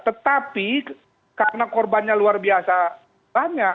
tetapi karena korbannya luar biasa banyak